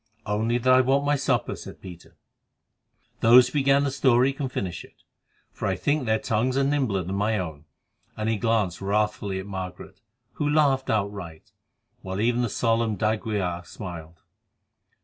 "Only that I want my supper," said Peter. "Those who began the story can finish it, for I think their tongues are nimbler than my own," and he glanced wrathfully at Margaret, who laughed outright, while even the solemn d'Aguilar smiled.